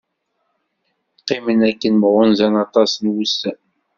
Qqimen akken mɣunzan aṭas n wussan.